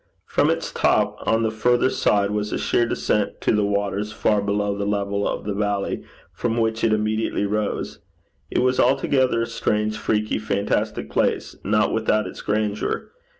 From its top on the further side was a sheer descent to the waters far below the level of the valley from which it immediately rose. It was altogether a strange freaky fantastic place, not without its grandeur.